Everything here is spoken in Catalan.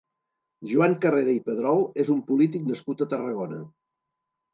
Joan Carrera i Pedrol és un polític nascut a Tarragona.